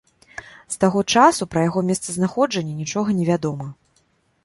З таго часу пра яго месцазнаходжанне нічога не вядома.